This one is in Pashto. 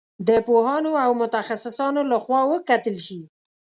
د پوهانو او متخصصانو له خوا وکتل شي.